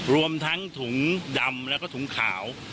รวมทั้งถุงดำแล้วก็ถุงขาว